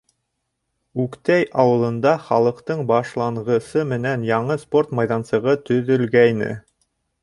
Үктәй ауылында халыҡтың башланғысы менән яңы спорт майҙансығы төҙөлгәйне.